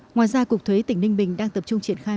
ngoài ra cục thuế tỉnh ninh bình đang tập trung triển khai